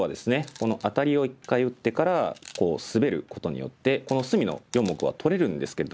このアタリを一回打ってからスベることによってこの隅の４目は取れるんですけれども。